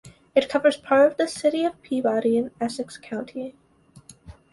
It covers part of the city of Peabody in Essex County.